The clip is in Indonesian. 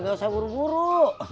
gak usah buru buru